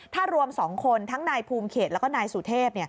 ถ้ารวม๒คนทั้งนายภูมิเขตแล้วก็นายสุเทพ